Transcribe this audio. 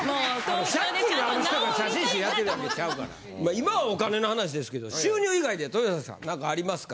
今はお金の話ですけど収入以外で豊崎さん何かありますか？